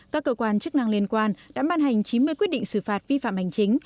các cơ quan chức năng liên quan đã ban hành chín mươi quyết định xử phạt vi phạm hành chính